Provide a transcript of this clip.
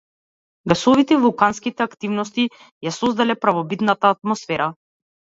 Гасовите и вулканските активности ја создале првобитната атмосфера.